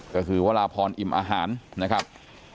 ก็คือวราพรอิ่มอาหารนะครับ